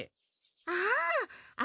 ああ！